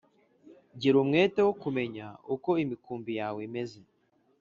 gira umwete wo kumenya uko imikumbi yawe imeze